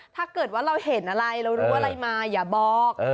ถ้าเกิดว่าเราเห็นอะไรเรารู้อะไรมาอย่าบอก